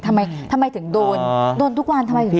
ทำไมถึงโดนโดนทุกวันทำไมถึงโดน